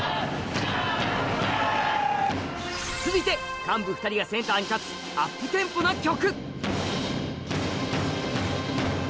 続いて幹部２人がセンターに立つアップテンポな曲